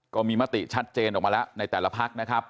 ก็มีมติชัดเจนออกมาแล้วในแต่ละพักนะครับ